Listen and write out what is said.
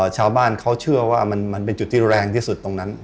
ชาวบ้านเขาเชื่อว่ามันเป็นจุดที่แรงที่สุดตรงนั้น